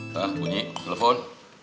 hah bunyi telepon